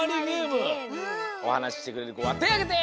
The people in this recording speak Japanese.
おはなししてくれるこはてをあげて！